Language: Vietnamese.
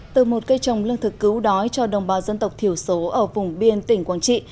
từ một cây trồng lương thực cứu đói cho đồng bào dân tộc thiểu số ở vùng biên tỉnh quảng trị